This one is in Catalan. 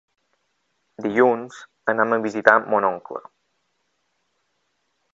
Dilluns anam a visitar mon oncle.